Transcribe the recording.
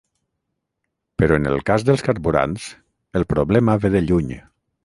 Però en el cas dels carburants, el problema ve de lluny.